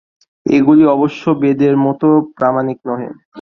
এগুলি অবশ্য বেদের মত প্রামাণিক নহে।